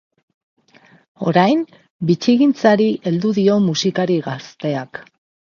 Orain, bitxigintzari heldu dio musikari gazteak.